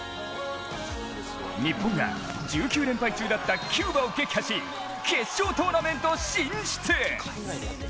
日本が１９連敗中だったキューバを撃破し決勝トーナメント進出。